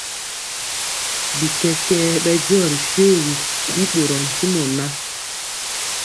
Bi kɛkɛɛ bɛdiɔ ri shoégu, bi ɓorɔɔ ntimɔ ŋan,